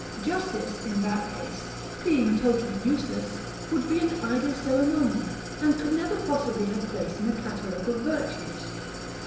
Justice, in that case, being totally useless, would be an idle ceremonial, and could never possibly have place in the catalogue of virtues.